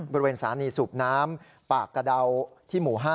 บริเวณสถานีสูบน้ำปากกระดาที่หมู่๕